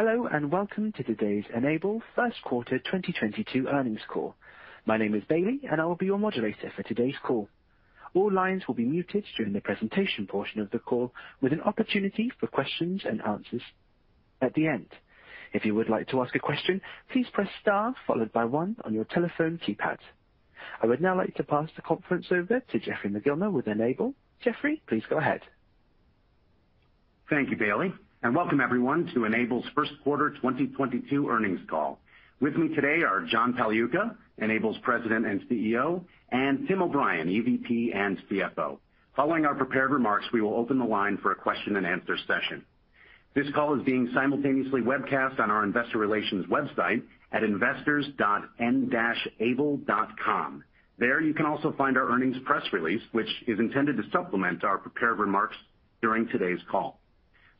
Hello, and welcome to today's N-able first quarter 2022 earnings call. My name is Bailey, and I will be your moderator for today's call. All lines will be muted during the presentation portion of the call, with an opportunity for questions and answers at the end. If you would like to ask a question, please press star followed by one on your telephone keypad. I would now like to pass the conference over to Griffin Gyr with N-able. Griffin, please go ahead. Thank you, Bailey, and welcome everyone to N-able's first quarter 2022 earnings call. With me today are John Pagliuca, N-able's president and CEO, and Tim O'Brien, EVP and CFO. Following our prepared remarks, we will open the line for a question-and-answer session. This call is being simultaneously webcast on our investor relations website at investors.N-able.com. There, you can also find our earnings press release, which is intended to supplement our prepared remarks during today's call.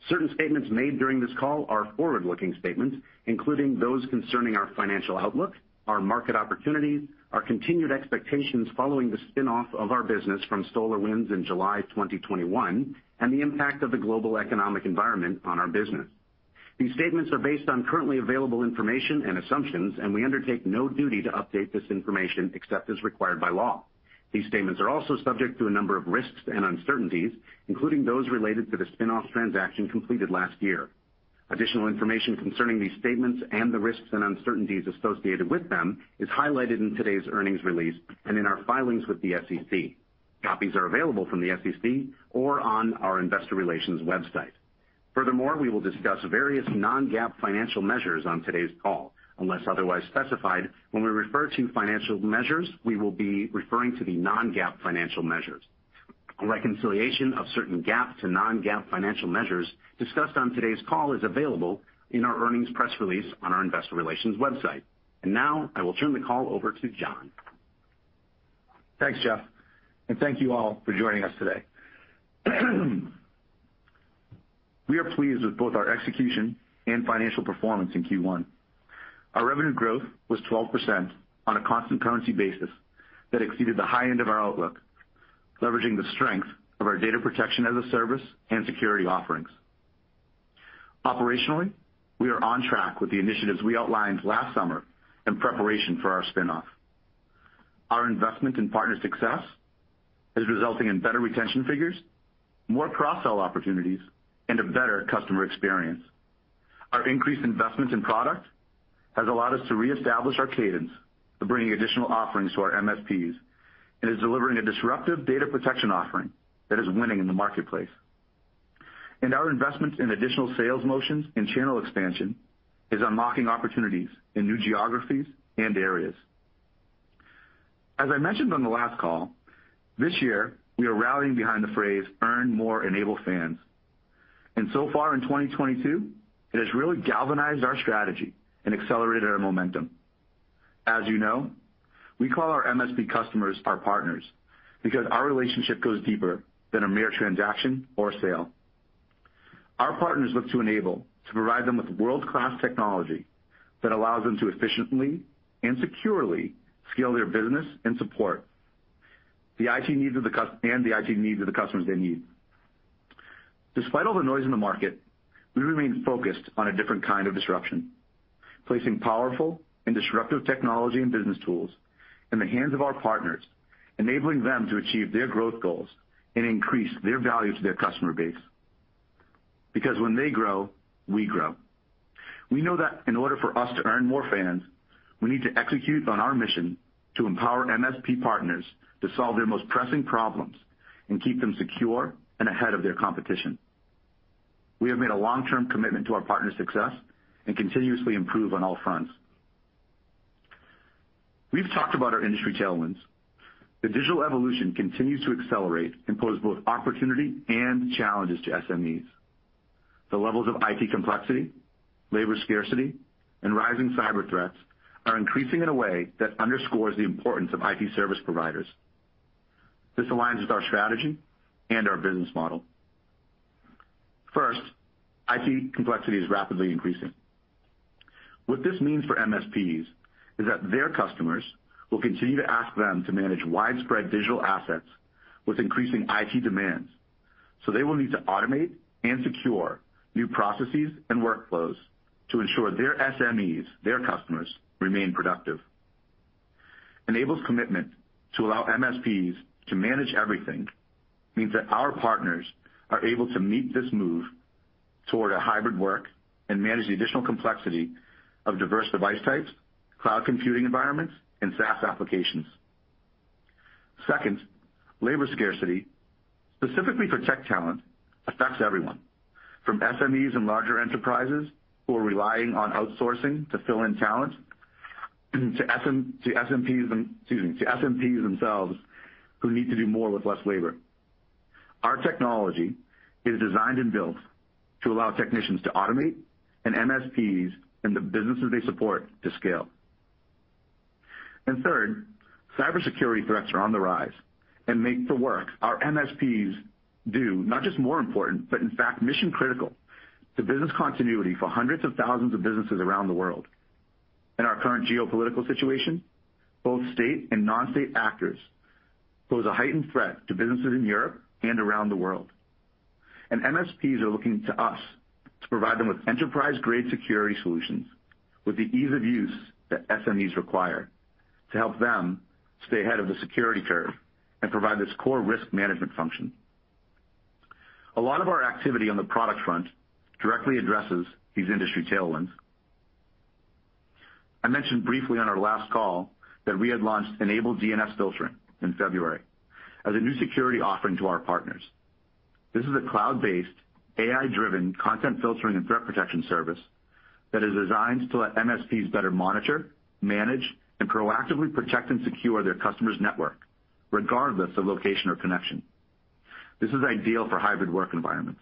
Certain statements made during this call are forward-looking statements, including those concerning our financial outlook, our market opportunities, our continued expectations following the spin-off of our business from SolarWinds in July 2021, and the impact of the global economic environment on our business. These statements are based on currently available information and assumptions, and we undertake no duty to update this information except as required by law. These statements are also subject to a number of risks and uncertainties, including those related to the spin-off transaction completed last year. Additional information concerning these statements and the risks and uncertainties associated with them is highlighted in today's earnings release and in our filings with the SEC. Copies are available from the SEC or on our investor relations website. Furthermore, we will discuss various non-GAAP financial measures on today's call. Unless otherwise specified, when we refer to financial measures, we will be referring to the non-GAAP financial measures. A reconciliation of certain GAAP to non-GAAP financial measures discussed on today's call is available in our earnings press release on our investor relations website. Now I will turn the call over to John. Thanks, [Jeff], and thank you all for joining us today. We are pleased with both our execution and financial performance in Q1. Our revenue growth was 12% on a constant currency basis that exceeded the high end of our outlook, leveraging the strength of our data protection as a service and security offerings. Operationally, we are on track with the initiatives we outlined last summer in preparation for our spin-off. Our investment in partner success is resulting in better retention figures, more cross-sell opportunities, and a better customer experience. Our increased investments in product has allowed us to reestablish our cadence to bringing additional offerings to our MSPs and is delivering a disruptive data protection offering that is winning in the marketplace. Our investments in additional sales motions and channel expansion is unlocking opportunities in new geographies and areas. As I mentioned on the last call, this year we are rallying behind the phrase earn more N-able fans. So far in 2022, it has really galvanized our strategy and accelerated our momentum. As you know, we call our MSP customers our partners because our relationship goes deeper than a mere transaction or a sale. Our partners look to N-able to provide them with world-class technology that allows them to efficiently and securely scale their business and support the IT needs of the customers they need. Despite all the noise in the market, we remain focused on a different kind of disruption, placing powerful and disruptive technology and business tools in the hands of our partners, enabling them to achieve their growth goals and increase their value to their customer base. Because when they grow, we grow. We know that in order for us to earn more fans, we need to execute on our mission to empower MSP partners to solve their most pressing problems and keep them secure and ahead of their competition. We have made a long-term commitment to our partner success and continuously improve on all fronts. We've talked about our industry tailwinds. The digital evolution continues to accelerate and pose both opportunity and challenges to SMEs. The levels of IT complexity, labor scarcity, and rising cyber threats are increasing in a way that underscores the importance of IT service providers. This aligns with our strategy and our business model. First, IT complexity is rapidly increasing. What this means for MSPs is that their customers will continue to ask them to manage widespread digital assets with increasing IT demands. So they will need to automate and secure new processes and workflows to ensure their SMEs, their customers, remain productive. N-able's commitment to allow MSPs to manage everything means that our partners are able to meet this move toward a hybrid work and manage the additional complexity of diverse device types, cloud computing environments, and SaaS applications. Second, labor scarcity, specifically for tech talent, affects everyone from SMEs and larger enterprises who are relying on outsourcing to fill in talent to MSPs themselves who need to do more with less labor. Our technology is designed and built to allow technicians to automate and MSPs and the businesses they support to scale. Third, cybersecurity threats are on the rise and make the work our MSPs do not just more important, but in fact mission-critical to business continuity for hundreds of thousands of businesses around the world. In our current geopolitical situation, both state and non-state actors pose a heightened threat to businesses in Europe and around the world. MSPs are looking to us to provide them with enterprise-grade security solutions with the ease of use that SMEs require to help them stay ahead of the security curve and provide this core risk management function. A lot of our activity on the product front directly addresses these industry tailwinds. I mentioned briefly on our last call that we had launched N-able DNS Filtering in February as a new security offering to our partners. This is a cloud-based, AI-driven content filtering and threat protection service that is designed to let MSPs better monitor, manage, and proactively protect and secure their customers' network, regardless of location or connection. This is ideal for hybrid work environments.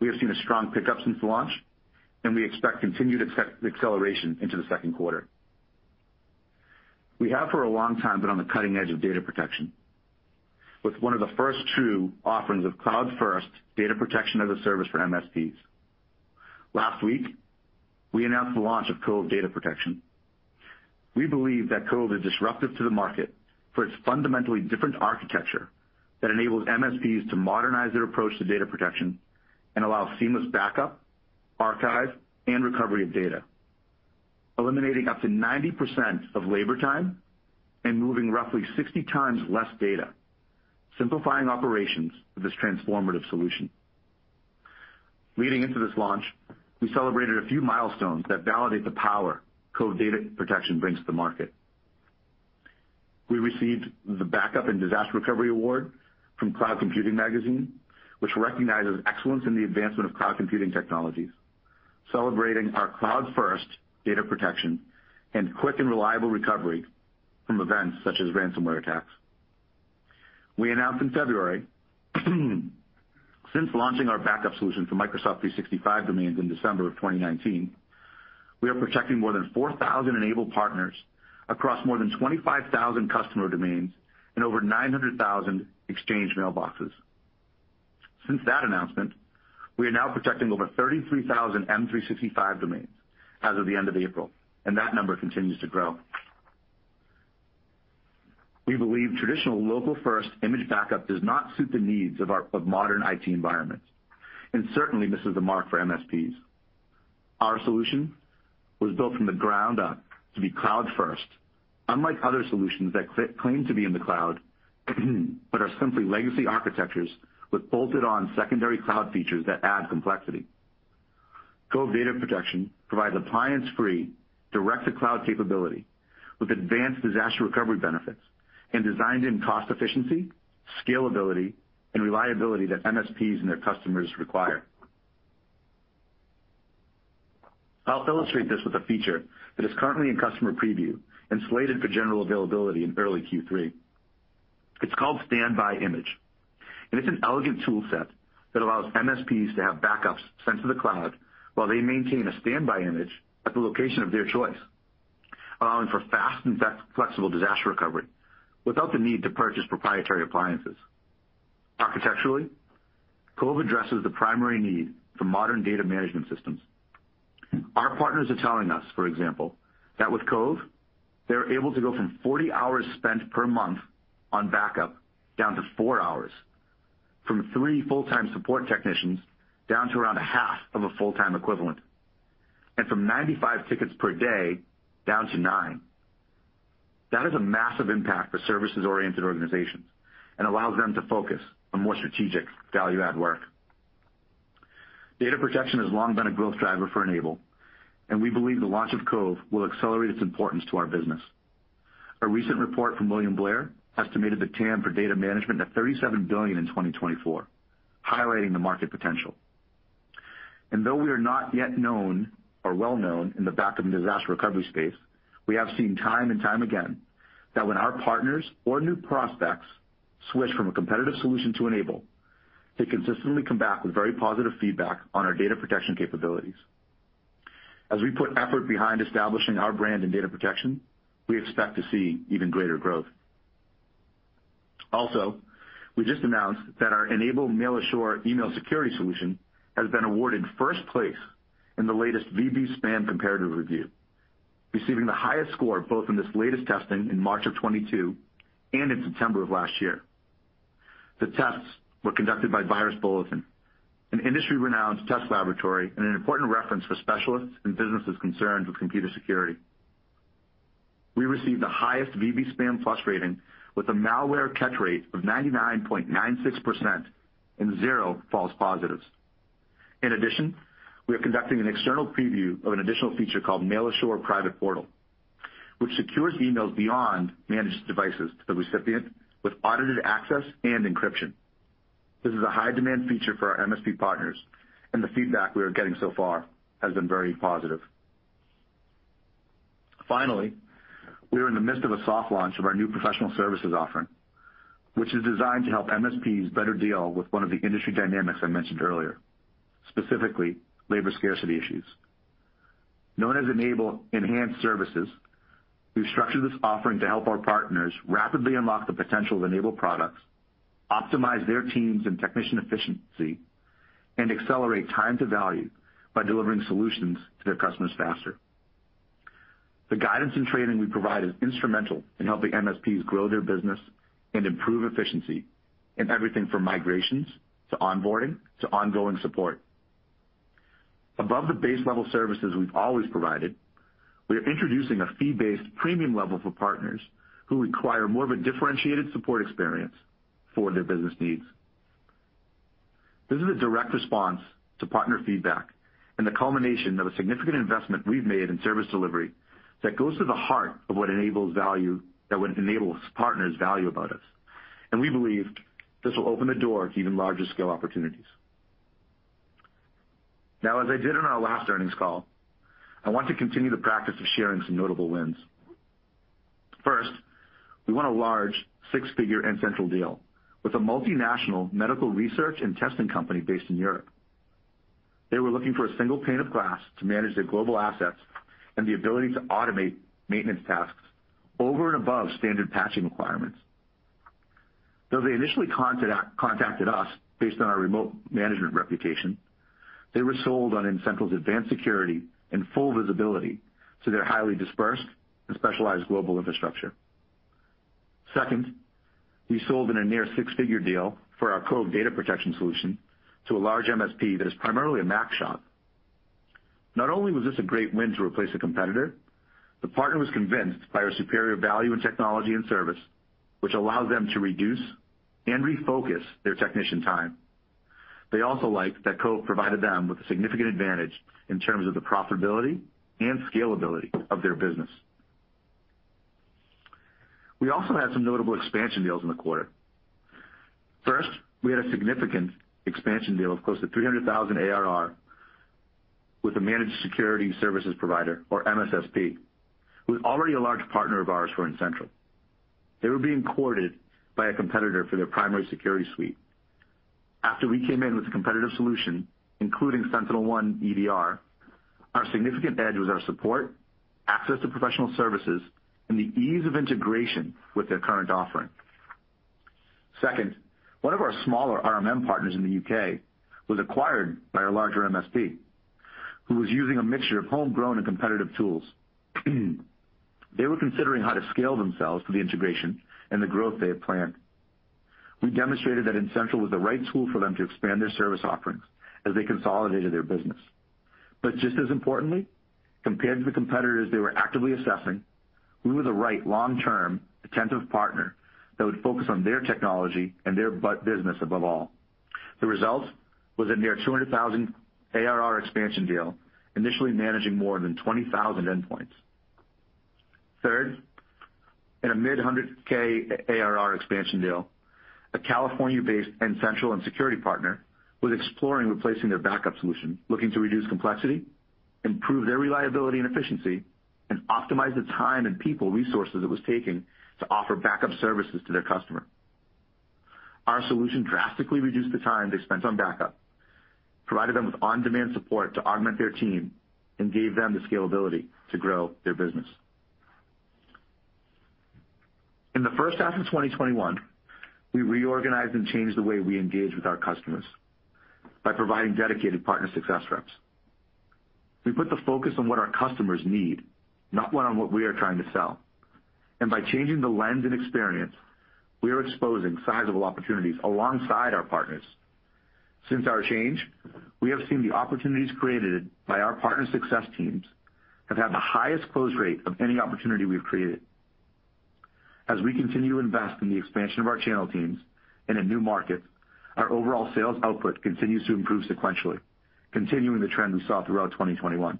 We have seen a strong pickup since launch, and we expect continued acceleration into the second quarter. We have for a long time been on the cutting edge of data protection, with one of the first true offerings of cloud-first data protection as a service for MSPs. Last week, we announced the launch of Cove Data Protection. We believe that Cove is disruptive to the market for its fundamentally different architecture that enables MSPs to modernize their approach to data protection and allow seamless backup, archive, and recovery of data, eliminating up to 90% of labor time and moving roughly 60 times less data, simplifying operations with this transformative solution. Leading into this launch, we celebrated a few milestones that validate the power Cove Data Protection brings to the market. We received the Backup and Disaster Recovery award from Cloud Computing Magazine, which recognizes excellence in the advancement of cloud computing technologies, celebrating our cloud-first data protection and quick and reliable recovery from events such as ransomware attacks. We announced in February, since launching our backup solution for Microsoft 365 domains in December of 2019, we are protecting more than 4,000 N-able partners across more than 25,000 customer domains and over 900,000 Exchange mailboxes. Since that announcement, we are now protecting over 33,000 M365 domains as of the end of April, and that number continues to grow. We believe traditional local-first image backup does not suit the needs of our modern IT environments, and certainly misses the mark for MSPs. Our solution was built from the ground up to be cloud first, unlike other solutions that claim to be in the cloud, but are simply legacy architectures with bolted-on secondary cloud features that add complexity. Cove Data Protection provides appliance-free, direct-to-cloud capability with advanced disaster recovery benefits and designed-in cost efficiency, scalability, and reliability that MSPs and their customers require. I'll illustrate this with a feature that is currently in customer preview and slated for general availability in early Q3. It's called Standby Image, and it's an elegant tool set that allows MSPs to have backups sent to the cloud while they maintain a standby image at the location of their choice, allowing for fast and flexible disaster recovery without the need to purchase proprietary appliances. Architecturally, Cove addresses the primary need for modern data management systems. Our partners are telling us, for example, that with Cove, they're able to go from 40 hours spent per month on backup down to four hours, from three full-time support technicians down to around a 0.5 Of a full-time equivalent, and from 95 tickets per day down to nine. That is a massive impact for services-oriented organizations and allows them to focus on more strategic value-add work. Data protection has long been a growth driver for N-able, and we believe the launch of Cove will accelerate its importance to our business. A recent report from William Blair estimated the TAM for data management at 37 billion in 2024, highlighting the market potential. Though we are not yet known or well-known in the backup and disaster recovery space, we have seen time and time again that when our partners or new prospects switch from a competitive solution to N-able, they consistently come back with very positive feedback on our data protection capabilities. As we put effort behind establishing our brand in data protection, we expect to see even greater growth. We just announced that our N-able Mail Assure email security solution has been awarded first place in the latest VBSpam comparative review, receiving the highest score both in this latest testing in March 2022 and in September of last year. The tests were conducted by Virus Bulletin, an industry-renowned test laboratory and an important reference for specialists and businesses concerned with computer security. We received the highest VBSpam+ rating with a malware catch rate of 99.96% and 0 false positives. In addition, we are conducting an external preview of an additional feature called Mail Assure Private Portal, which secures emails beyond managed devices to the recipient with audited access and encryption. This is a high-demand feature for our MSP partners, and the feedback we are getting so far has been very positive. Finally, we are in the midst of a soft launch of our new professional services offering, which is designed to help MSPs better deal with one of the industry dynamics I mentioned earlier, specifically labor scarcity issues. Known as N‑able N‑hanced Services. We've structured this offering to help our partners rapidly unlock the potential of N-able products, optimize their teams and technician efficiency, and accelerate time to value by delivering solutions to their customers faster. The guidance and training we provide is instrumental in helping MSPs grow their business and improve efficiency in everything from migrations to onboarding to ongoing support. Above the base level services we've always provided, we are introducing a fee-based premium level for partners who require more of a differentiated support experience for their business needs. This is a direct response to partner feedback and the culmination of a significant investment we've made in service delivery that goes to the heart of what N-able's partners value about us. We believe this will open the door to even larger scale opportunities. Now, as I did on our last earnings call, I want to continue the practice of sharing some notable wins. First, we won a large six-figure N-central deal with a multinational medical research and testing company based in Europe. They were looking for a single pane of glass to manage their global assets and the ability to automate maintenance tasks over and above standard patching requirements. Though they initially contacted us based on our remote management reputation, they were sold on N-central's advanced security and full visibility to their highly dispersed and specialized global infrastructure. Second, we sold in a near six-figure deal for our Cove Data Protection solution to a large MSP that is primarily a Mac shop. Not only was this a great win to replace a competitor, the partner was convinced by our superior value in technology and service, which allows them to reduce and refocus their technician time. They also liked that Cove provided them with a significant advantage in terms of the profitability and scalability of their business. We also had some notable expansion deals in the quarter. First, we had a significant expansion deal of close to $300,000 ARR with a managed security services provider, or MSSP, who is already a large partner of ours for N-central. They were being courted by a competitor for their primary security suite. After we came in with a competitive solution, including SentinelOne EDR, our significant edge was our support, access to professional services, and the ease of integration with their current offering. Second, one of our smaller RMM partners in the U.K. was acquired by a larger MSP, who was using a mixture of homegrown and competitive tools. They were considering how to scale themselves for the integration and the growth they had planned. We demonstrated that N-central was the right tool for them to expand their service offerings as they consolidated their business. Just as importantly, compared to the competitors they were actively assessing, we were the right long-term, attentive partner that would focus on their technology and their business above all. The result was a near $200,000 ARR expansion deal, initially managing more than 20,000 endpoints. Third, in a mid-hundred K ARR expansion deal, a California-based N-central and security partner was exploring replacing their backup solution, looking to reduce complexity, improve their reliability and efficiency, and optimize the time and people resources it was taking to offer backup services to their customer. Our solution drastically reduced the time they spent on backup, provided them with on-demand support to augment their team, and gave them the scalability to grow their business. In the first half of 2021, we reorganized and changed the way we engage with our customers by providing dedicated partner success reps. We put the focus on what our customers need, not on what we are trying to sell. And by changing the lens and experience, we are exposing sizable opportunities alongside our partners. Since our change, we have seen the opportunities created by our partner success teams have had the highest close rate of any opportunity we've created. As we continue to invest in the expansion of our channel teams in a new market, our overall sales output continues to improve sequentially, continuing the trend we saw throughout 2021.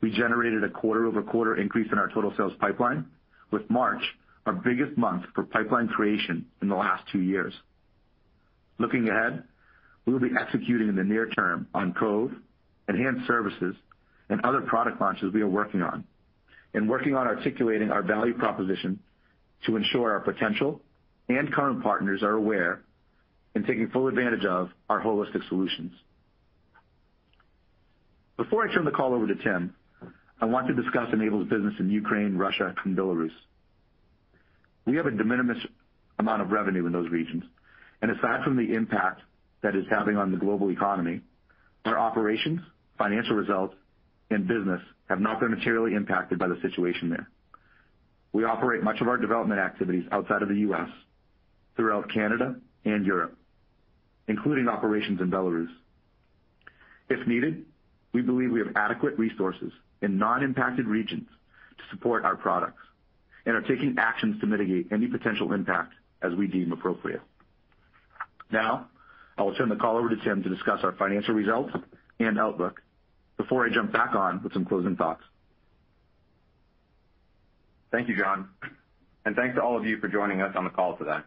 We generated a quarter-over-quarter increase in our total sales pipeline, with March our biggest month for pipeline creation in the last two years. Looking ahead, we will be executing in the near term on Cove, N-hanced Services, and other product launches we are working on, and working on articulating our value proposition to ensure our potential and current partners are aware and taking full advantage of our holistic solutions. Before I turn the call over to Tim, I want to discuss N-able's business in Ukraine, Russia, and Belarus. We have a de minimis amount of revenue in those regions, and aside from the impact that is having on the global economy, our operations, financial results, and business have not been materially impacted by the situation there. We operate much of our development activities outside of the U.S. throughout Canada and Europe, including operations in Belarus. If needed, we believe we have adequate resources in non-impacted regions to support our products and are taking actions to mitigate any potential impact as we deem appropriate. Now, I will turn the call over to Tim to discuss our financial results and outlook before I jump back on with some closing thoughts. Thank you, John, and thanks to all of you for joining us on the call today.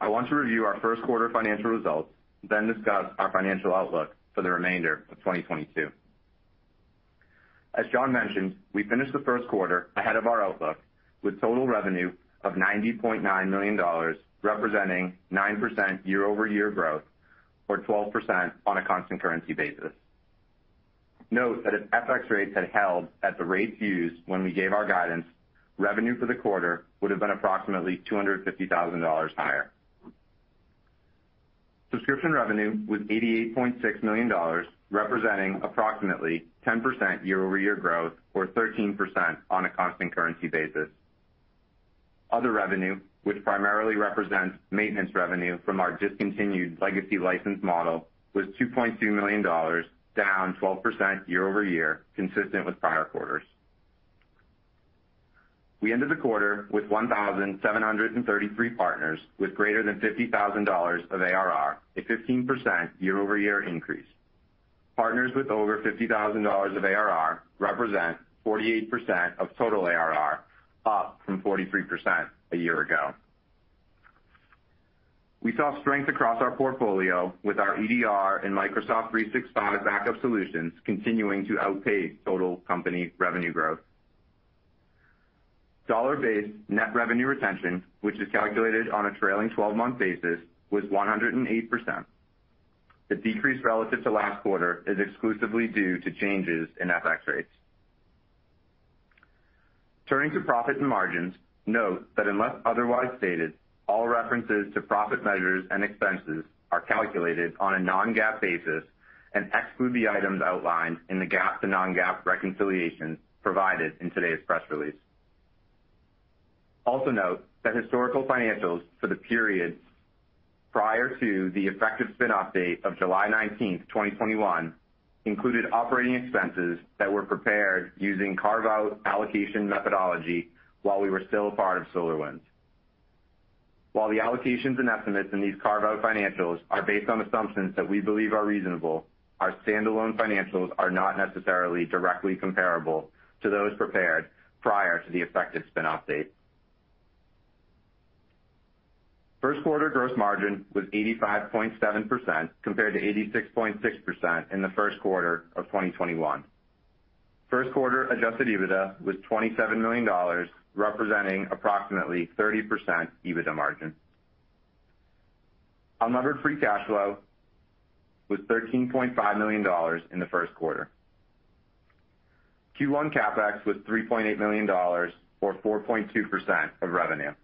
I want to review our first quarter financial results, then discuss our financial outlook for the remainder of 2022. As John mentioned, we finished the first quarter ahead of our outlook with total revenue of $90.9 million, representing 9% year-over-year growth, or 12% on a constant currency basis. Note that if FX rates had held at the rates used when we gave our guidance, revenue for the quarter would have been approximately $250,000 higher. Subscription revenue was $88.6 million, representing approximately 10% year-over-year growth, or 13% on a constant currency basis. Other revenue, which primarily represents maintenance revenue from our discontinued legacy license model, was $2.2 million, down 12% year-over-year, consistent with prior quarters. We ended the quarter with 1,733 partners with greater than $50,000 of ARR, a 15% year-over-year increase. Partners with over $50,000 of ARR represent 48% of total ARR, up from 43% a year ago. We saw strength across our portfolio with our EDR and Microsoft 365 backup solutions continuing to outpace total company revenue growth. Dollar-based net revenue retention, which is calculated on a trailing 12-month basis, was 108%. The decrease relative to last quarter is exclusively due to changes in FX rates. Turning to profit and margins, note that unless otherwise stated, all references to profit measures and expenses are calculated on a non-GAAP basis and exclude the items outlined in the GAAP to non-GAAP reconciliation provided in today's press release. Also note that historical financials for the periods prior to the effective spin-off date of July 19th, 2021, included operating expenses that were prepared using carve-out allocation methodology while we were still a part of SolarWinds. While the allocations and estimates in these carve-out financials are based on assumptions that we believe are reasonable, our standalone financials are not necessarily directly comparable to those prepared prior to the effective spin-off date. First quarter gross margin was 85.7%, compared to 86.6% in the first quarter of 2021. First quarter adjusted EBITDA was $27 million, representing approximately 30% EBITDA margin. Unlevered free cash flow was $13.5 million in the first quarter. Q1 CapEx was $3.8 million or 4.2% of revenue.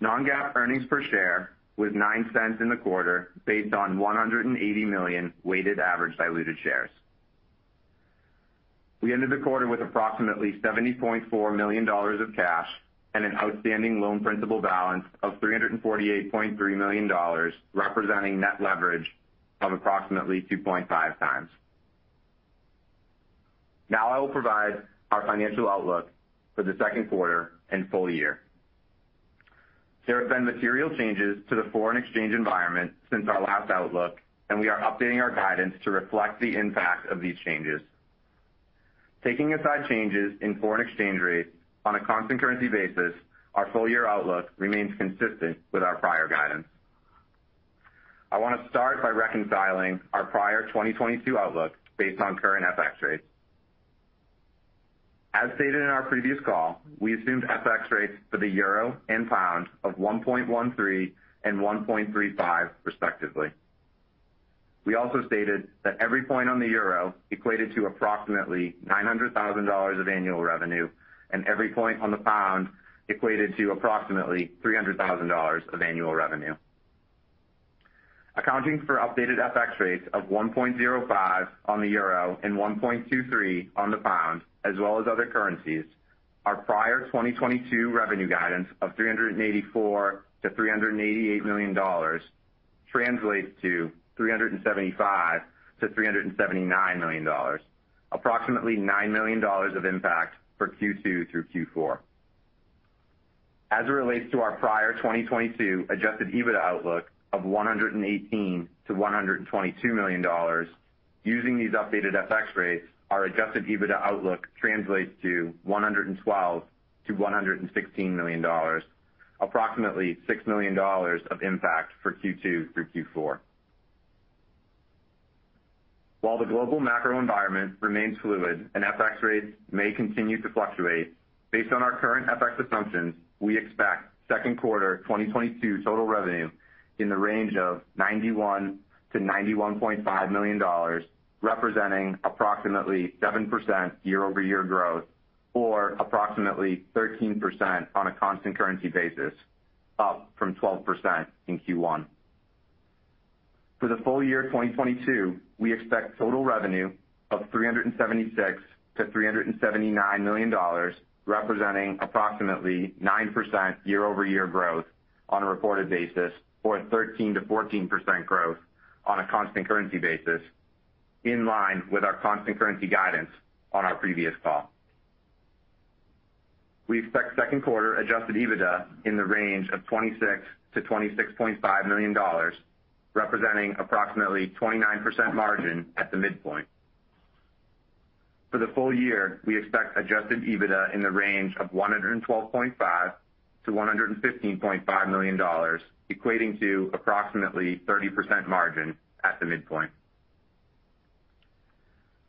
Non-GAAP earnings per share was $0.09 in the quarter based on 180 million weighted average diluted shares. We ended the quarter with approximately $70.4 million of cash and an outstanding loan principal balance of $348.3 million, representing net leverage of approximately 2.5x. Now I will provide our financial outlook for the second quarter and full year. There have been material changes to the foreign exchange environment since our last outlook, and we are updating our guidance to reflect the impact of these changes. Taking aside changes in foreign exchange rates, on a constant currency basis, our full year outlook remains consistent with our prior guidance. I want to start by reconciling our prior 2022 outlook based on current FX rates. As stated in our previous call, we assumed FX rates for the euro and pound of 1.13 and 1.35 respectively. We also stated that every point on the euro equated to approximately $900,000 of annual revenue, and every point on the pound equated to approximately $300,000 of annual revenue. Accounting for updated FX rates of 1.05 on the euro and 1.23 on the pound, as well as other currencies, our prior 2022 revenue guidance of $384 million-$388 million translates to $375 million-$379 million, approximately $9 million of impact for Q2 through Q4. As it relates to our prior 2022 adjusted EBITDA outlook of $118 million-$122 million, using these updated FX rates, our adjusted EBITDA outlook translates to $112 million-$116 million, approximately $6 million of impact for Q2 through Q4. While the global macro environment remains fluid and FX rates may continue to fluctuate, based on our current FX assumptions, we expect second quarter 2022 total revenue in the range of $91 million-$91.5 million, representing approximately 7% year-over-year growth or approximately 13% on a constant currency basis, up from 12% in Q1. For the full year 2022, we expect total revenue of $376 million-$379 million, representing approximately 9% year-over-year growth on a reported basis, or a 13%-14% growth on a constant currency basis, in line with our constant currency guidance on our previous call. We expect second quarter adjusted EBITDA in the range of $26 million-$26.5 million, representing approximately 29% margin at the midpoint. For the full year, we expect adjusted EBITDA in the range of $112.5 million-$115.5 million, equating to approximately 30% margin at the midpoint.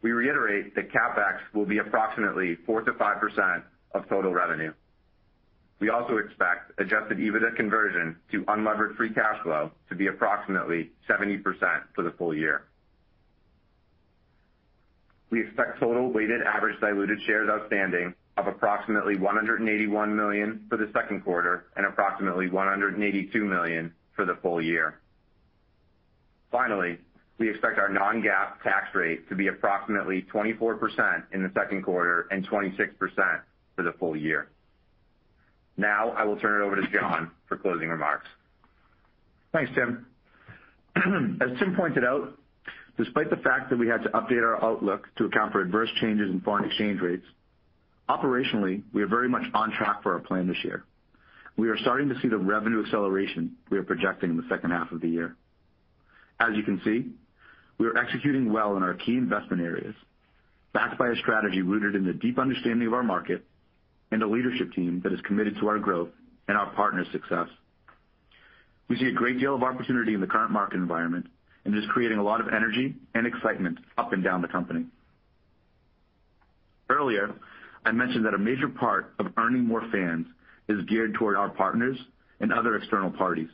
We reiterate that CapEx will be approximately 4%-5% of total revenue. We also expect adjusted EBITDA conversion to unlevered free cash flow to be approximately 70% for the full year. We expect total weighted average diluted shares outstanding of approximately 181 million for the second quarter and approximately 182 million for the full year. Finally, we expect our non-GAAP tax rate to be approximately 24% in the second quarter and 26% for the full year. Now I will turn it over to John for closing remarks. Thanks, Tim. As Tim pointed out, despite the fact that we had to update our outlook to account for adverse changes in foreign exchange rates, operationally, we are very much on track for our plan this year. We are starting to see the revenue acceleration we are projecting in the second half of the year. As you can see, we are executing well in our key investment areas, backed by a strategy rooted in the deep understanding of our market and a leadership team that is committed to our growth and our partner success. We see a great deal of opportunity in the current market environment, and it is creating a lot of energy and excitement up and down the company. Earlier, I mentioned that a major part of earning more fans is geared toward our partners and other external parties.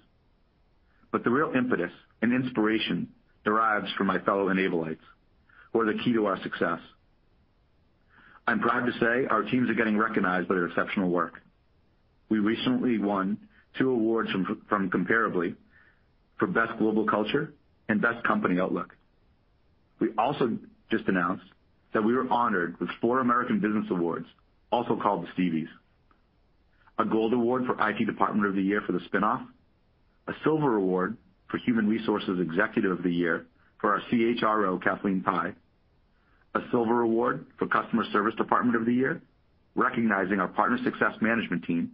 The real impetus and inspiration derives from my fellow N-ableites, who are the key to our success. I'm proud to say our teams are getting recognized for their exceptional work. We recently won two awards from Comparably for Best Global Culture and Best Company Outlook. We also just announced that we were honored with four American Business Awards, also called the Stevies, a Gold Award for IT Department of the Year for the spin-off, a Silver Award for Human Resources Executive of the Year for our CHRO, Kathleen Pai, a Silver Award for Customer Service Department of the Year, recognizing our partner success management team,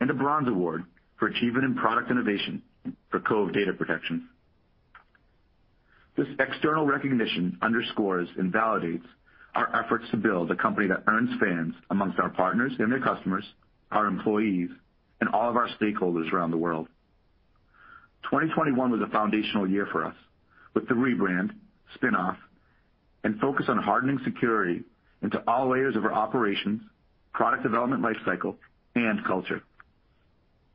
and a Bronze Award for Achievement in Product Innovation for Cove Data Protection. This external recognition underscores and validates our efforts to build a company that earns fans among our partners and their customers, our employees, and all of our stakeholders around the world. 2021 was a foundational year for us, with the rebrand, spin-off, and focus on hardening security into all layers of our operations, product development life cycle, and culture.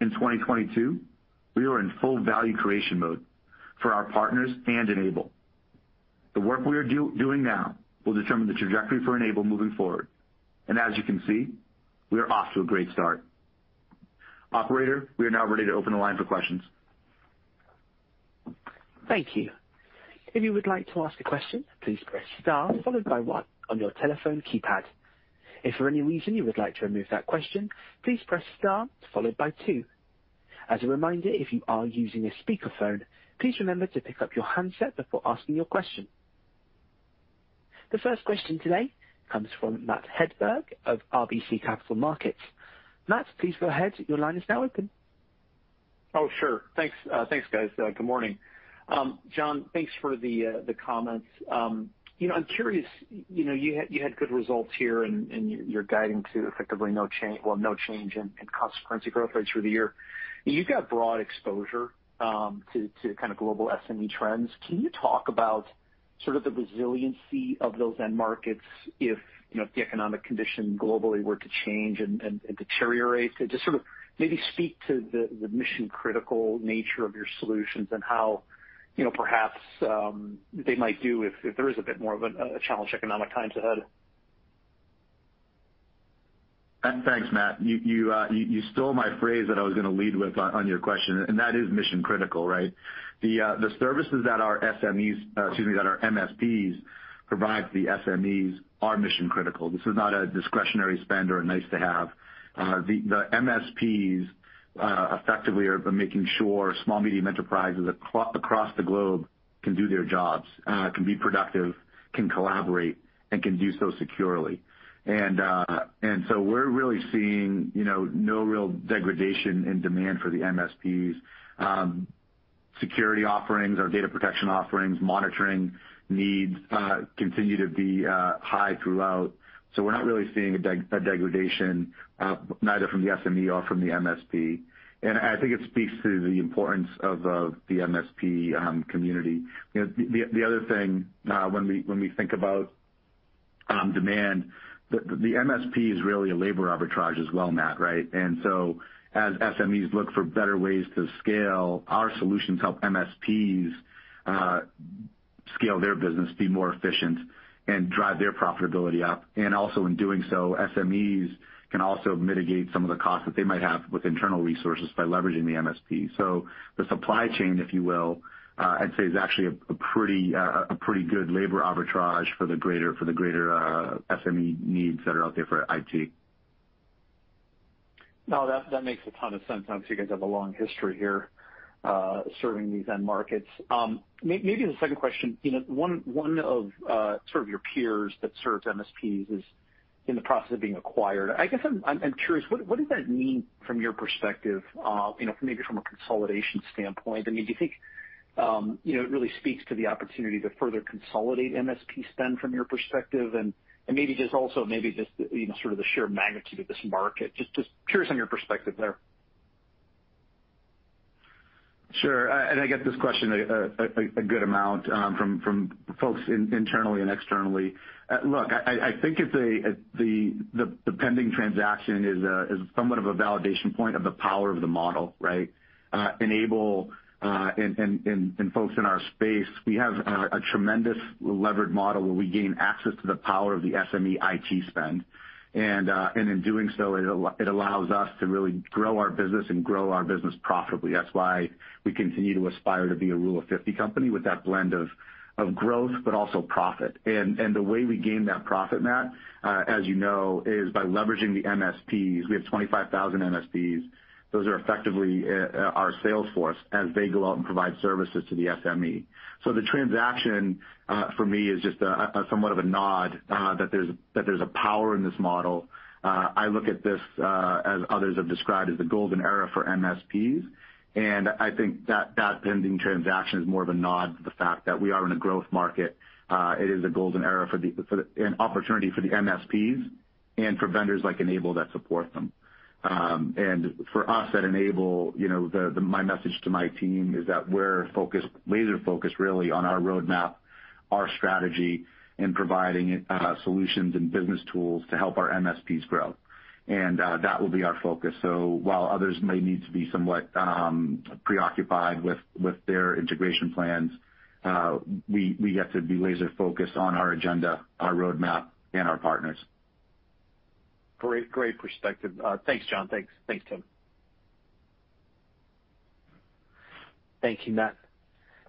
In 2022, we are in full value creation mode for our partners and N-able. The work we are doing now will determine the trajectory for N-able moving forward, and as you can see, we are off to a great start. Operator, we are now ready to open the line for questions. Thank you. If you would like to ask a question, please press star followed by one on your telephone keypad. If for any reason you would like to remove that question, please press star followed by two. As a reminder, if you are using a speakerphone, please remember to pick up your handset before asking your question. The first question today comes from Matt Hedberg of RBC Capital Markets. Matt, please go ahead. Your line is now open. Oh, sure. Thanks, guys. Good morning. John, thanks for the comments. You know, I'm curious. You know, you had good results here, and you're guiding to effectively no change, well, no change in constant currency growth rates for the year. You've got broad exposure to kind of global SME trends. Can you talk about sort of the resiliency of those end markets if, you know, if the economic condition globally were to change and deteriorate? Just sort of maybe speak to the mission-critical nature of your solutions and how, you know, perhaps, they might do if there is a bit more of a challenged economic times ahead. Thanks, Matt. You stole my phrase that I was gonna lead with on your question, and that is mission-critical, right? The services that our SMEs, excuse me, that our MSPs provide to the SMEs are mission-critical. This is not a discretionary spend or a nice to have. The MSPs effectively are making sure small, medium enterprises across the globe can do their jobs, can be productive, can collaborate, and can do so securely. And so we're really seeing, you know, no real degradation in demand for the MSPs. Security offerings, our data protection offerings, monitoring needs continue to be high throughout. We're not really seeing a degradation, neither from the SME or from the MSP. I think it speaks to the importance of the MSP community. You know, the other thing, when we think about demand, the MSP is really a labor arbitrage as well, Matt, right? As SMEs look for better ways to scale, our solutions help MSPs scale their business, be more efficient, and drive their profitability up. Also in doing so, SMEs can also mitigate some of the costs that they might have with internal resources by leveraging the MSP. The supply chain, if you will, I'd say is actually a pretty good labor arbitrage for the greater SME needs that are out there for IT. No, that makes a ton of sense. Obviously, you guys have a long history here, serving these end markets. Maybe the second question, you know, one of sort of your peers that serves MSPs is in the process of being acquired. I guess I'm curious, what does that mean from your perspective, you know, maybe from a consolidation standpoint? I mean, do you think, you know, it really speaks to the opportunity to further consolidate MSP spend from your perspective? Maybe just also, you know, sort of the sheer magnitude of this market. Just curious on your perspective there. Sure. I get this question a good amount from folks internally and externally. Look, I think the pending transaction is somewhat of a validation point of the power of the model, right? N-able and folks in our space, we have a tremendous levered model where we gain access to the power of the SME IT spend. In doing so it allows us to really grow our business and grow our business profitably. That's why we continue to aspire to be a rule of 50 company with that blend of growth, but also profit. The way we gain that profit, Matt, as you know, is by leveraging the MSPs. We have 25,000 MSPs. Those are effectively, our sales force as they go out and provide services to the SME. The transaction, for me is just a somewhat of a nod, that there's a power in this model. I look at this, as others have described, as the golden era for MSPs, and I think that pending transaction is more of a nod to the fact that we are in a growth market. It is a golden era, an opportunity for the MSPs and for vendors like N-able that support them. For us at N-able, you know, my message to my team is that we're focused, laser-focused really on our roadmap, our strategy in providing, solutions and business tools to help our MSPs grow. That will be our focus. While others may need to be somewhat preoccupied with their integration plans, we get to be laser-focused on our agenda, our roadmap, and our partners. Great. Great perspective. Thanks, John. Thanks. Thanks, Tim. Thank you, Matt.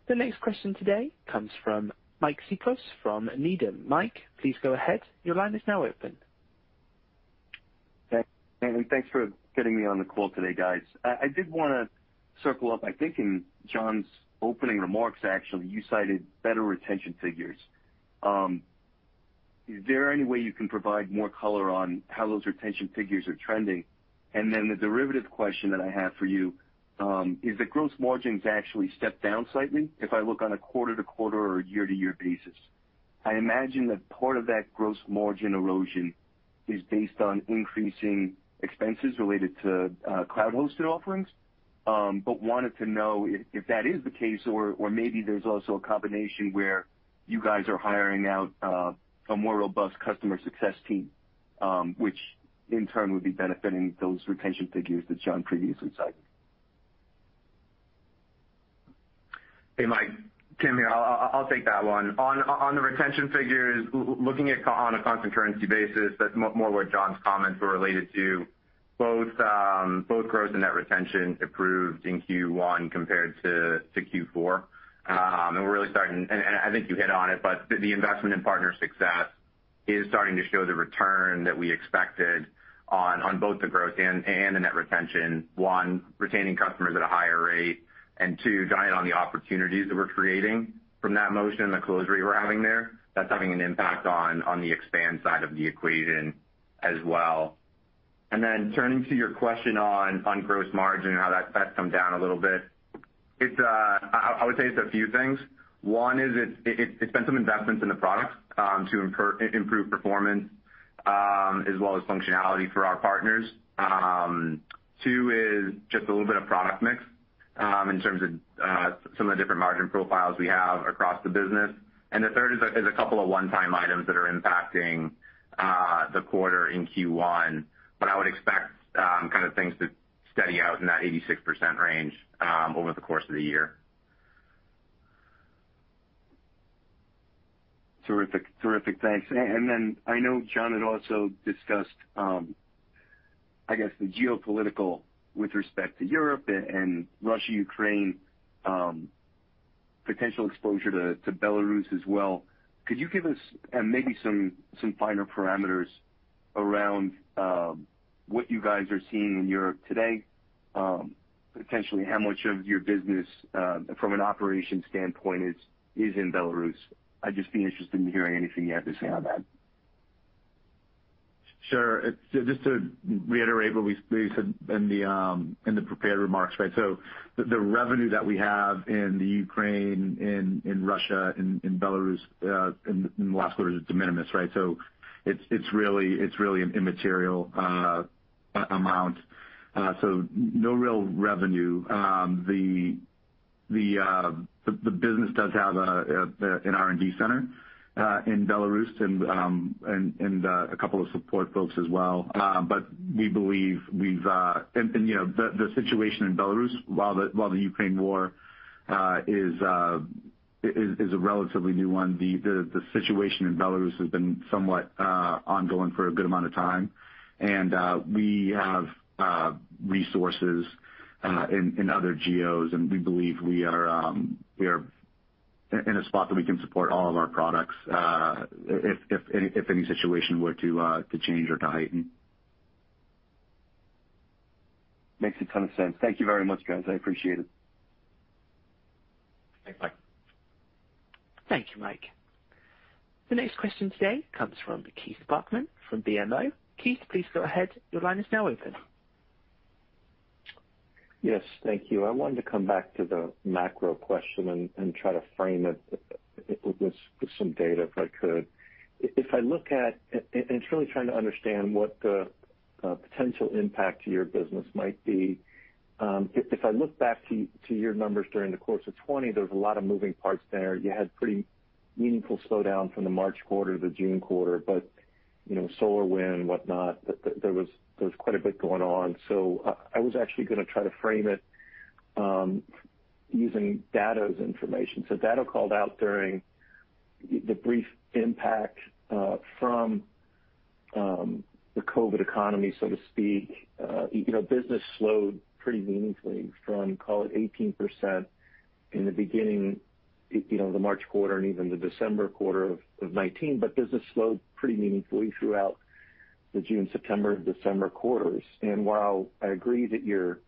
The next question today comes from Mike Cikos from Needham. Mike, please go ahead. Your line is now open. Thanks. Thanks for getting me on the call today, guys. I did wanna circle up. I think in John's opening remarks, actually, you cited better retention figures. Is there any way you can provide more color on how those retention figures are trending? Then the derivative question that I have for you is the gross margins actually step down slightly if I look on a quarter-to-quarter or year-to-year basis. I imagine that part of that gross margin erosion is based on increasing expenses related to cloud-hosted offerings. But wanted to know if that is the case or maybe there's also a combination where you guys are hiring out a more robust customer success team, which in turn would be benefiting those retention figures that John previously cited. Hey, Mike. Tim here. I'll take that one. On the retention figures, looking at, on a constant currency basis, that's more what John's comments were related to, both gross and net retention improved in Q1 compared to Q4. We're really starting. I think you hit on it, but the investment in partner success is starting to show the return that we expected on both the gross and the net retention. One, retaining customers at a higher rate, and two, driving on the opportunities that we're creating from that motion and the close rate we're having there, that's having an impact on the expand side of the equation as well. Then turning to your question on gross margin and how that's come down a little bit. It's. I would say it's a few things. One is it's been some investments in the product to improve performance as well as functionality for our partners. Two is just a little bit of product mix in terms of some of the different margin profiles we have across the business. The third is a couple of one-time items that are impacting the quarter in Q1. I would expect things to steady out in that 86% range over the course of the year. Terrific. Thanks. I know John had also discussed the geopolitical with respect to Europe and Russia, Ukraine, potential exposure to Belarus as well. Could you give us maybe some finer parameters around what you guys are seeing in Europe today? Potentially how much of your business from an operations standpoint is in Belarus. I'd just be interested in hearing anything you have to say on that. Sure. It's just to reiterate what we said in the prepared remarks, right? The revenue that we have in the Ukraine, in Russia, in Belarus in the last quarter is de minimis, right? It's really an immaterial amount. No real revenue. The business does have an R&D center in Belarus and a couple of support folks as well. We believe we've, you know, the situation in Belarus, while the Ukraine war is a relatively new one, the situation in Belarus has been somewhat ongoing for a good amount of time. We have resources in other geos, and we believe we are in a spot that we can support all of our products, if any situation were to change or to heighten. Makes a ton of sense. Thank you very much, guys. I appreciate it. Thanks, Mike. Thank you, Mike. The next question today comes from Keith Bachman from BMO. Keith, please go ahead. Your line is now open. Yes. Thank you. I wanted to come back to the macro question and try to frame it with some data if I could. It's really trying to understand what the potential impact to your business might be, if I look back to your numbers during the course of 2020, there was a lot of moving parts there. You had pretty meaningful slowdown from the March quarter to the June quarter. You know, SolarWinds, whatnot, there was quite a bit going on. I was actually gonna try to frame it using Datto's information. Datto called out during the brief impact from the COVID economy, so to speak. You know, business slowed pretty meaningfully from, call it 18% in the beginning, you know, the March quarter and even the December quarter of 2019. Business slowed pretty meaningfully throughout the June, September, December quarters. While I agree that your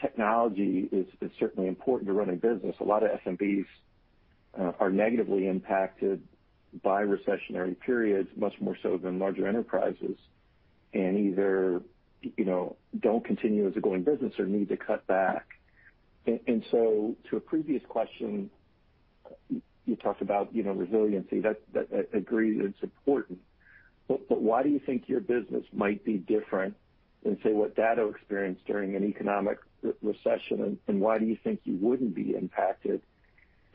technology is certainly important to running business, a lot of SMBs are negatively impacted by recessionary periods, much more so than larger enterprises, and either, you know, don't continue as a going business or need to cut back. So to a previous question, you talked about, you know, resiliency. That agreed it's important. Why do you think your business might be different than, say, what Datto experienced during an economic recession, and why do you think you wouldn't be impacted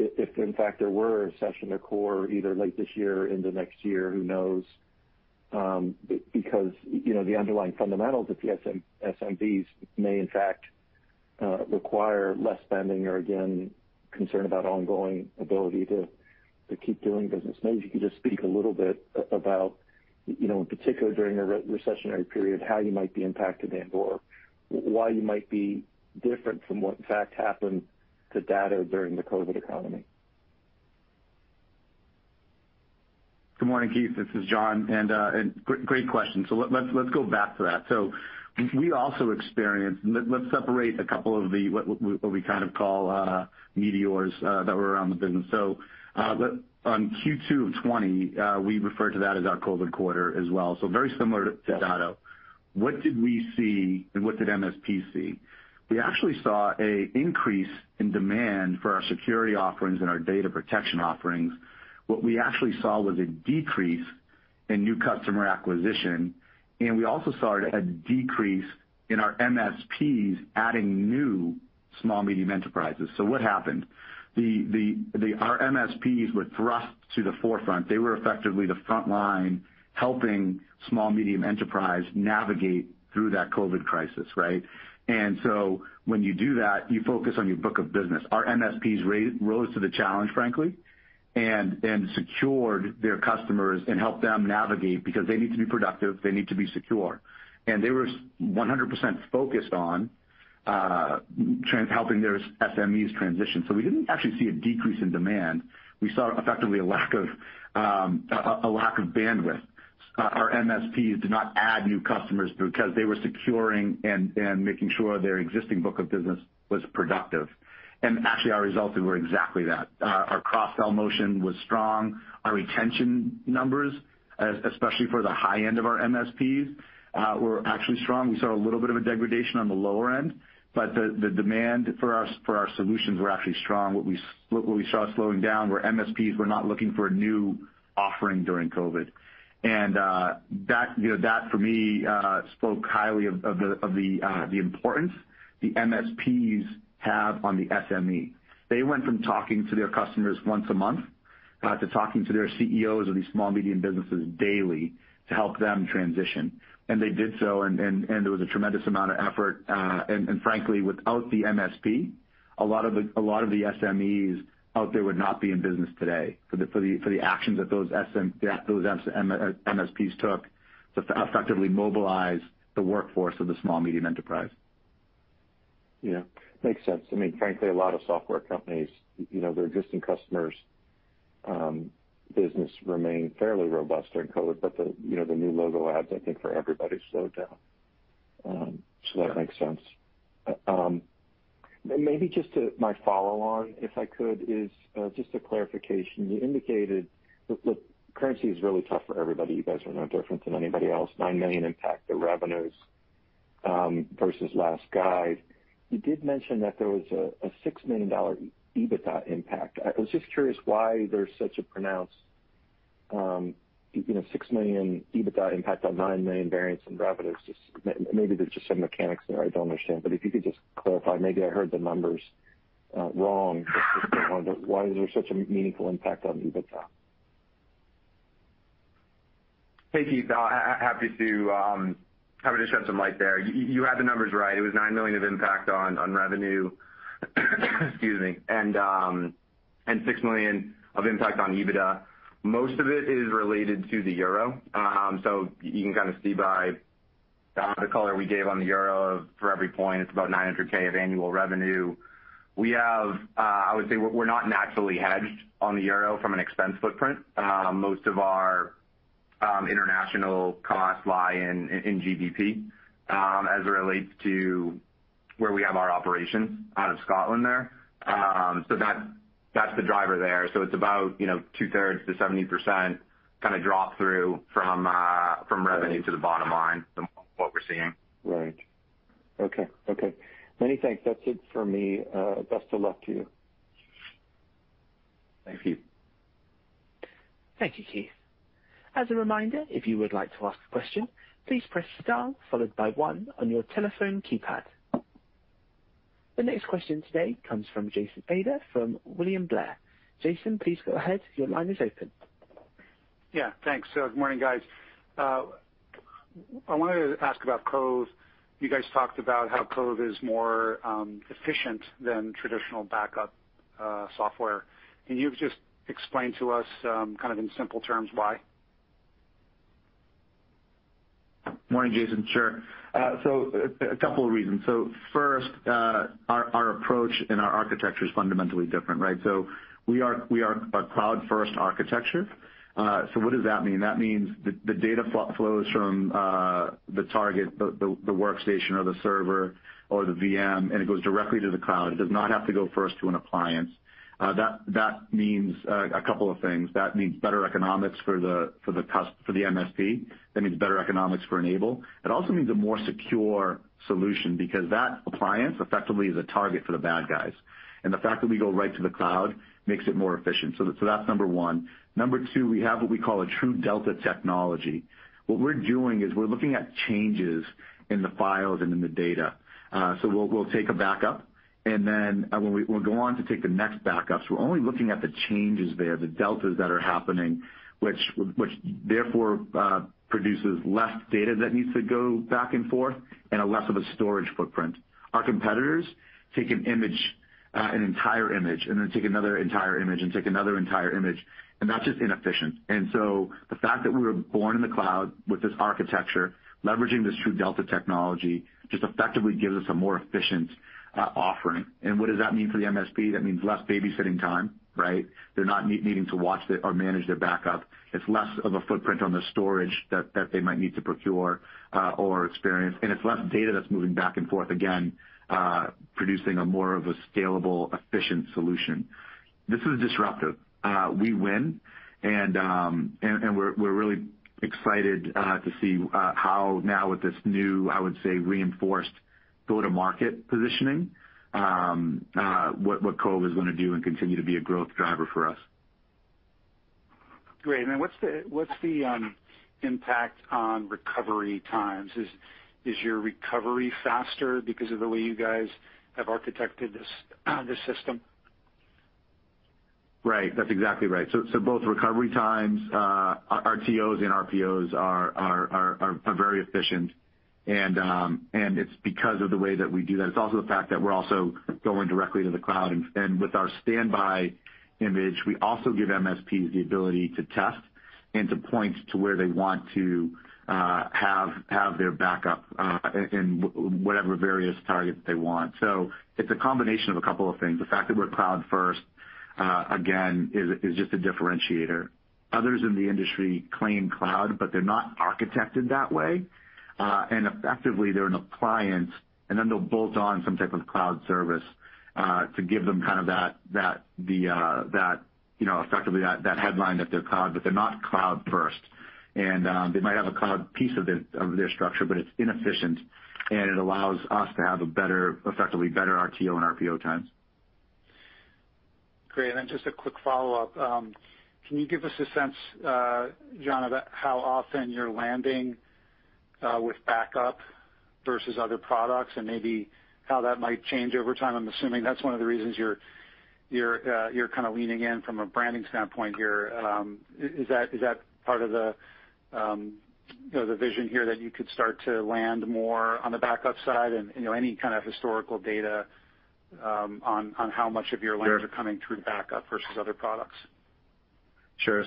if in fact there were a recession, of course, either late this year or into next year, who knows? Because, you know, the underlying fundamentals of the SMBs may in fact require less spending or again, concern about ongoing ability to keep doing business. Maybe if you could just speak a little bit about, you know, in particular during a recessionary period, how you might be impacted and/or why you might be different from what in fact happened to Datto during the COVID economy. Good morning, Keith. This is John. Great question. Let's go back to that. We also experienced. Let's separate a couple of the what we kind of call meteors that were around the business. On Q2 of 2020, we refer to that as our COVID quarter as well, very similar to Datto. What did we see and what did MSP see? We actually saw an increase in demand for our security offerings and our data protection offerings. What we actually saw was a decrease in new customer acquisition, and we also saw a decrease in our MSPs adding new small medium enterprises. What happened? Our MSPs were thrust to the forefront. They were effectively the frontline helping small medium enterprises navigate through that COVID crisis, right? When you do that, you focus on your book of business. Our MSPs rose to the challenge, frankly, and secured their customers and helped them navigate because they need to be productive. They need to be secure. They were 100% focused on helping their SMEs transition. We didn't actually see a decrease in demand. We saw effectively a lack of bandwidth. Our MSPs did not add new customers because they were securing and making sure their existing book of business was productive. Actually, our results were exactly that. Our cross-sell motion was strong. Our retention numbers, especially for the high end of our MSPs, were actually strong. We saw a little bit of a degradation on the lower end, but the demand for our solutions were actually strong. What we saw slowing down were MSPs not looking for a new offering during COVID. That you know for me spoke highly of the importance the MSPs have on the SME. They went from talking to their customers once a month to talking to their CEOs of these small medium businesses daily to help them transition. They did so, there was a tremendous amount of effort. Frankly, without the MSP, a lot of the SMEs out there would not be in business today for the actions that those MSPs took to effectively mobilize the workforce of the small medium enterprise. Yeah. Makes sense. I mean, frankly, a lot of software companies, you know, their existing customers' business remained fairly robust during COVID, but the, you know, the new logo adds, I think, for everybody slowed down. That makes sense. Maybe just to my follow on, if I could, is just a clarification. You indicated, look, currency is really tough for everybody. You guys are no different than anybody else. $9 million impact to revenues versus last guide. You did mention that there was a $6 million EBITDA impact. I was just curious why there's such a pronounced, you know, $6 million EBITDA impact on $9 million variance in revenues. Just maybe there's just some mechanics there I don't understand. If you could just clarify, maybe I heard the numbers wrong. Just wondering why is there such a meaningful impact on EBITDA? Hey, Keith. Happy to shed some light there. You had the numbers right. It was $9 million of impact on revenue, excuse me, and $6 million of impact on EBITDA. Most of it is related to the euro. You can kind of see by the color we gave on the euro for every point, it's about $900K of annual revenue. We have, I would say we're not naturally hedged on the euro from an expense footprint. Most of our international costs lie in GBP, as it relates to where we have our operations out of Scotland there. That's the driver there. It's about, you know, 2/3 to 70% kinda drop through from revenue to the bottom line from what we're seeing. Right. Okay. Many thanks. That's it for me. Best of luck to you. Thank you. Thank you, Keith. As a reminder, if you would like to ask a question, please press star followed by one on your telephone keypad. The next question today comes from Jason Ader from William Blair. Jason, please go ahead. Your line is open. Yeah, thanks. Good morning, guys. I wanted to ask about Cove. You guys talked about how Cove is more efficient than traditional backup software. Can you just explain to us kind of in simple terms why? Morning, Jason. Sure. A couple of reasons. First, our approach and our architecture is fundamentally different, right? We are a cloud-first architecture. What does that mean? That means the data flows from the target, the workstation or the server or the VM, and it goes directly to the cloud. It does not have to go first to an appliance. That means a couple of things. That means better economics for the MSP. That means better economics for N-able. It also means a more secure solution because that appliance effectively is a target for the bad guys. The fact that we go right to the cloud makes it more efficient. That's number one. Number two, we have what we call a TrueDelta technology. What we're doing is we're looking at changes in the files and in the data. We'll take a backup, and then we'll go on to take the next backups. We're only looking at the changes there, the deltas that are happening, which therefore produces less data that needs to go back and forth and less of a storage footprint. Our competitors take an image, an entire image, and then take another entire image, and take another entire image, and that's just inefficient. The fact that we were born in the cloud with this architecture, leveraging this TrueDelta technology, just effectively gives us a more efficient offering. What does that mean for the MSP? That means less babysitting time, right? They're not needing to watch the or manage their backup. It's less of a footprint on the storage that they might need to procure, or experience. It's less data that's moving back and forth again, producing a more of a scalable, efficient solution. This is disruptive. We win, and we're really excited to see how now with this new, I would say, reinforced go-to-market positioning, what Cove is gonna do and continue to be a growth driver for us. Great. What's the impact on recovery times? Is your recovery faster because of the way you guys have architected this system? Right. That's exactly right. Both recovery times, RTOs and RPOs are very efficient, and it's because of the way that we do that. It's also the fact that we're also going directly to the cloud and with our Standby Image, we also give MSPs the ability to test and to point to where they want to have their backup in whatever various target they want. It's a combination of a couple of things. The fact that we're cloud-first again is just a differentiator. Others in the industry claim cloud, but they're not architected that way. Effectively, they're an appliance, and then they'll bolt on some type of cloud service to give them kind of that, you know, effectively that headline that they're cloud, but they're not cloud first. They might have a cloud piece of their structure, but it's inefficient, and it allows us to have a better, effectively better RTO and RPO times. Great. Just a quick follow-up. Can you give us a sense, John, of how often you're landing with backup versus other products and maybe how that might change over time? I'm assuming that's one of the reasons you're kind of leaning in from a branding standpoint here. Is that part of the vision here that you could start to land more on the backup side and any kind of historical data on how much of your lands are coming through backup versus other products? Sure.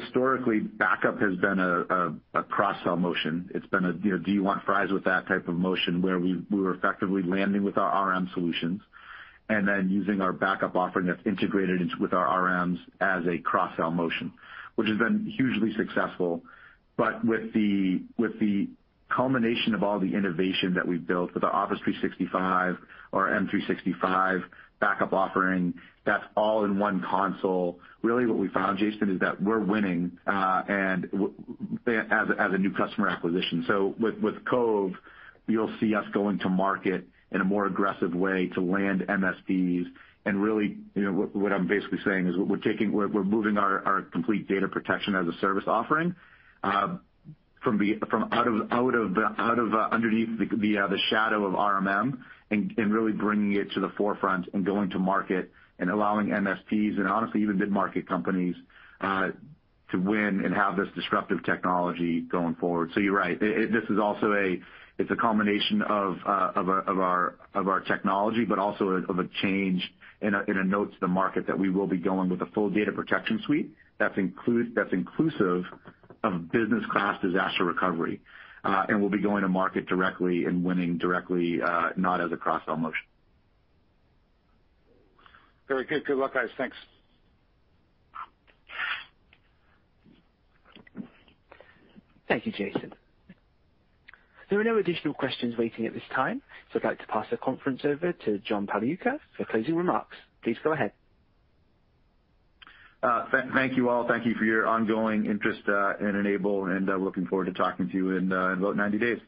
Historically, backup has been a cross-sell motion. It's been, you know, do you want fries with that type of motion where we were effectively landing with our RMM solutions and then using our backup offering that's integrated with our RMMs as a cross-sell motion, which has been hugely successful. With the culmination of all the innovation that we've built with our Microsoft 365, our M365 backup offering, that's all in one console. Really what we found, Jason, is that we're winning as a new customer acquisition. With Cove, you'll see us going to market in a more aggressive way to land MSPs. Really, you know, what I'm basically saying is we're moving our complete data protection as a service offering from out of underneath the shadow of RMM and really bringing it to the forefront and going to market and allowing MSPs and honestly even mid-market companies to win and have this disruptive technology going forward. You're right. This is also a, it's a combination of our technology, but also of a change in a note to the market that we will be going with a full data protection suite that's inclusive of business class disaster recovery. We'll be going to market directly and winning directly, not as a cross-sell motion. Very good. Good luck, guys. Thanks. Thank you, Jason. There are no additional questions waiting at this time, so I'd like to pass the conference over to John Pagliuca for closing remarks. Please go ahead. Thank you all. Thank you for your ongoing interest in N-able, and looking forward to talking to you in about 90 days.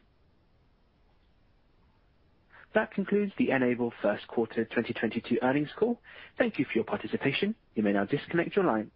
That concludes the N-able first quarter 2022 earnings call. Thank you for your participation. You may now disconnect your line.